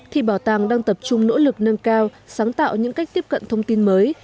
thì bảo tàng đang tập trung nỗ lực nâng cao sáng tạo những cách tiếp cận thông tin mới